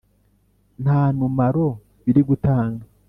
ntanumaro birigutanga.